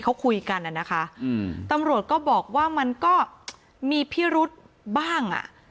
เขาคุยกันน่ะนะคะอืมตำรวจก็บอกว่ามันก็มีพิรุธบ้างอ่ะ